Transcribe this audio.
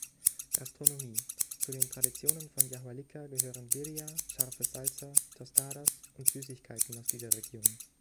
Gastronomie: Zu den Traditionen von Yahualica gehören "Birria", scharfe Salsa, "Tostadas" und Süßigkeiten aus dieser Region.